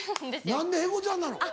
何でへごちゃんなの？